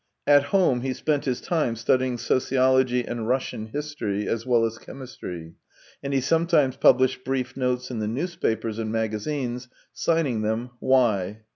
At home he spent his time studying sociology and Russian history, as well as chemistry, and he sometimes published brief notes in the newspapers and magazines, signing them " Y."